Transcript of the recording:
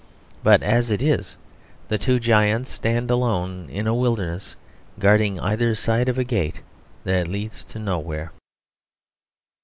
But as it is, the two giants stand alone in a wilderness, guarding either side of a gate that leads nowhere.